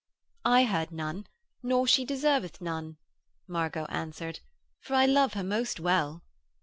'I heard none, nor she deserveth none,' Margot answered. 'For I love her most well.'